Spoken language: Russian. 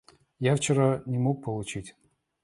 Я вчера не мог получить.